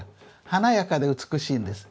華やかで美しいんです。